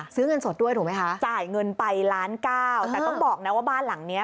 เงินสดด้วยถูกไหมคะจ่ายเงินไปล้านเก้าแต่ต้องบอกนะว่าบ้านหลังเนี้ย